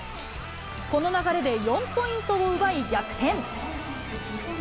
この流れで４ポイントを奪い逆転。